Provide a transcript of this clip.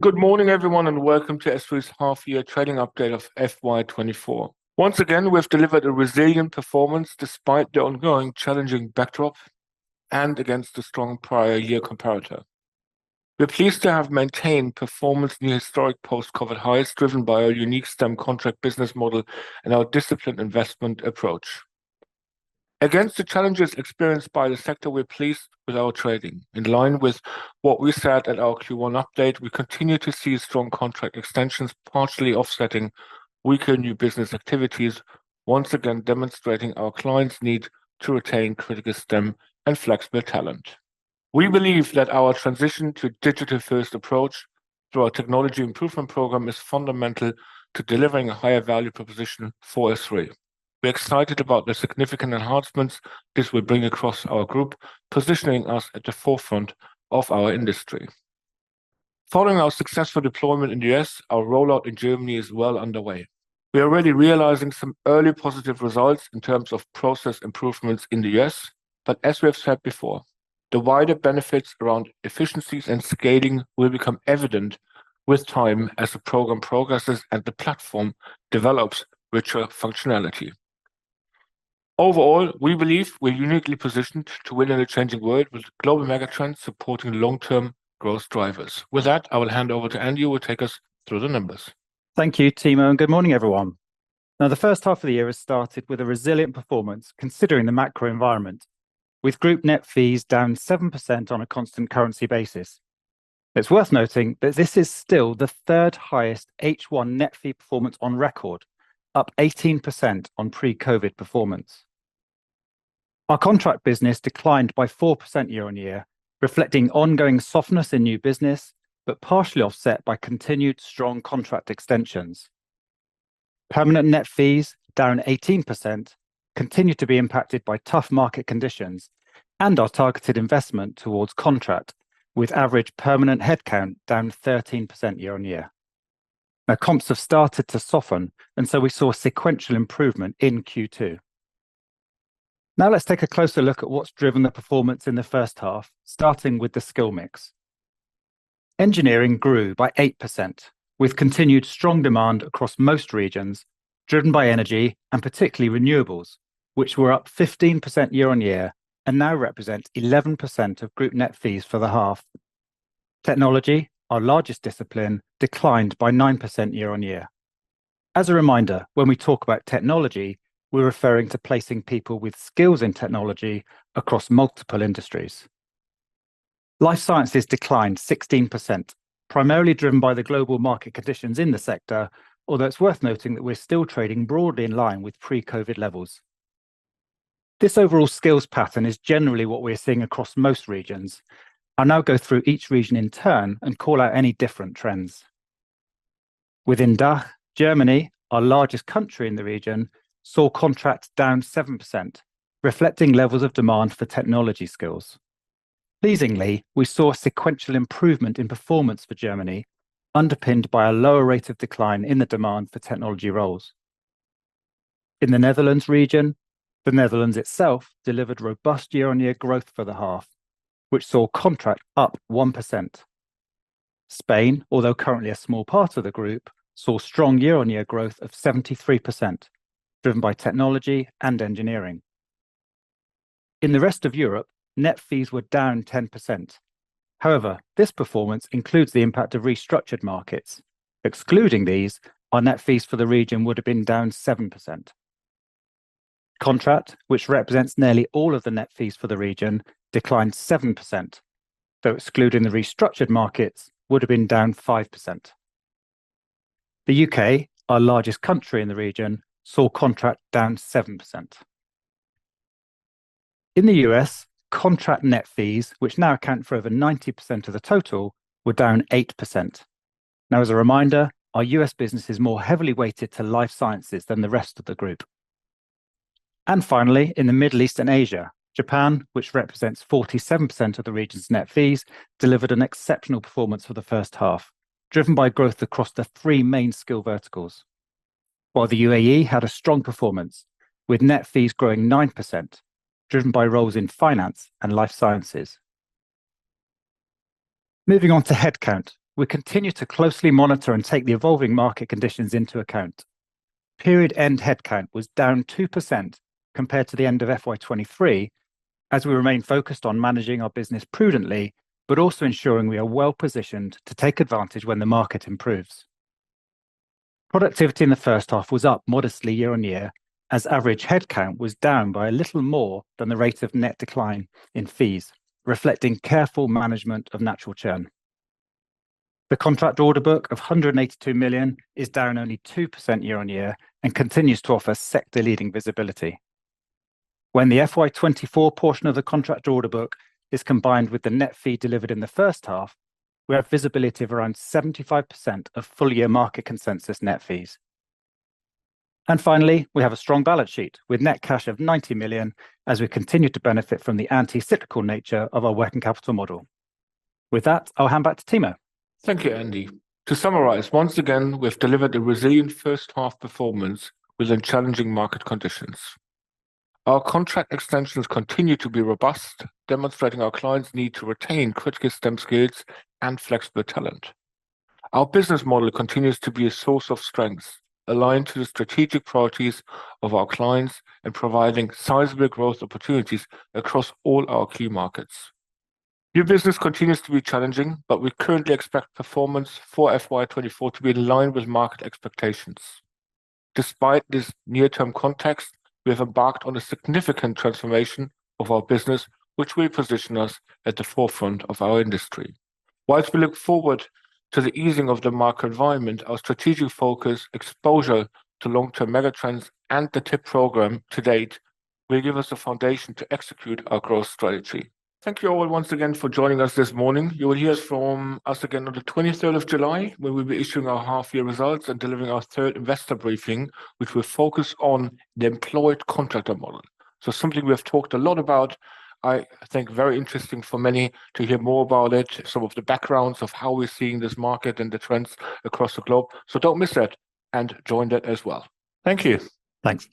Good morning, everyone, and welcome to SThree's half-year trading update of FY 2024. Once again, we have delivered a resilient performance despite the ongoing challenging backdrop and against the strong prior year comparator. We're pleased to have maintained performance in the historic post-COVID highs, driven by our unique STEM contract business model and our disciplined investment approach. Against the challenges experienced by the sector, we're pleased with our trading. In line with what we said at our Q1 update, we continue to see strong contract extensions, partially offsetting weaker new business activities, once again demonstrating our clients' need to retain critical STEM and flexible talent. We believe that our transition to digital-first approach through our Technology Improvement Program is fundamental to delivering a higher value proposition for SThree. We're excited about the significant enhancements this will bring across our group, positioning us at the forefront of our industry. Following our successful deployment in the U.S., our rollout in Germany is well underway. We are already realizing some early positive results in terms of process improvements in the U.S., but as we have said before, the wider benefits around efficiencies and scaling will become evident with time as the program progresses and the platform develops richer functionality. Overall, we believe we're uniquely positioned to win in a changing world, with global mega trends supporting long-term growth drivers. With that, I will hand over to Andy, who will take us through the numbers. Thank you, Timo, and good morning, everyone. Now, the first half of the year has started with a resilient performance, considering the macro environment, with group net fees down 7% on a constant currency basis. It's worth noting that this is still the third highest H1 net fee performance on record, up 18% on pre-COVID performance. Our contract business declined by 4% year-on-year, reflecting ongoing softness in new business, but partially offset by continued strong contract extensions. Permanent net fees, down 18%, continue to be impacted by tough market conditions and our targeted investment towards contract, with average permanent headcount down 13% year-on-year. Now, comps have started to soften, and so we saw a sequential improvement in Q2. Now let's take a closer look at what's driven the performance in the first half, starting with the skill mix. Engineering grew by 8%, with continued strong demand across most regions, driven by energy and particularly renewables, which were up 15% year-on-year and now represent 11% of group net fees for the half. Technology, our largest discipline, declined by 9% year-on-year. As a reminder, when we talk about technology, we're referring to placing people with skills in technology across multiple industries. Life Sciences declined 16%, primarily driven by the global market conditions in the sector, although it's worth noting that we're still trading broadly in line with pre-COVID levels. This overall skills pattern is generally what we're seeing across most regions. I'll now go through each region in turn and call out any different trends. Within DACH, Germany, our largest country in the region, saw contracts down 7%, reflecting levels of demand for technology skills. Pleasingly, we saw a sequential improvement in performance for Germany, underpinned by a lower rate of decline in the demand for technology roles. In the Netherlands region, the Netherlands itself delivered robust year-on-year growth for the half, which saw contract up 1%. Spain, although currently a small part of the group, saw strong year-on-year growth of 73%, driven by technology and engineering. In the Rest of Europe, net fees were down 10%. However, this performance includes the impact of restructured markets. Excluding these, our net fees for the region would have been down 7%. Contract, which represents nearly all of the net fees for the region, declined 7%, though excluding the restructured markets, would have been down 5%. The U.K., our largest country in the region, saw contract down 7%. In the U.S., contract net fees, which now account for over 90% of the total, were down 8%. Now, as a reminder, our U.S. business is more heavily weighted to life sciences than the rest of the group. And finally, in the Middle East and Asia, Japan, which represents 47% of the region's net fees, delivered an exceptional performance for the first half, driven by growth across the main main skill verticals, while the UAE had a strong performance, with net fees growing 9%, driven by roles in finance and life sciences. Moving on to headcount, we continue to closely monitor and take the evolving market conditions into account. Period-end headcount was down 2% compared to the end of FY 2023, as we remain focused on managing our business prudently, but also ensuring we are well-positioned to take advantage when the market improves. Productivity in the first half was up modestly year-on-year, as average headcount was down by a little more than the rate of net decline in fees, reflecting careful management of natural churn. The contract order book of 182 million is down only 2% year-on-year and continues to offer sector-leading visibility. When the FY 2024 portion of the contract order book is combined with the net fee delivered in the first half, we have visibility of around 75% of full-year market consensus net fees. And finally, we have a strong balance sheet, with net cash of 90 million, as we continue to benefit from the anti-cyclical nature of our working capital model. With that, I'll hand back to Timo. Thank you, Andy. To summarize, once again, we've delivered a resilient first half performance within challenging market conditions. Our contract extensions continue to be robust, demonstrating our clients' need to retain critical STEM skills and flexible talent. Our business model continues to be a source of strength, aligned to the strategic priorities of our clients and providing sizable growth opportunities across all our key markets. New business continues to be challenging, but we currently expect performance for FY 2024 to be in line with market expectations. Despite this near-term context, we have embarked on a significant transformation of our business, which will position us at the forefront of our industry. Whilst we look forward to the easing of the market environment, our strategic focus, exposure to long-term mega trends, and the TIP program to date will give us the foundation to execute our growth strategy. Thank you all once again for joining us this morning. You will hear from us again on the 23rd of July, where we'll be issuing our half year results and delivering our third investor briefing, which will focus on the Employed Contractor Model. So something we have talked a lot about, I think very interesting for many to hear more about it, some of the backgrounds of how we're seeing this market and the trends across the globe. So don't miss that and join that as well. Thank you. Thanks.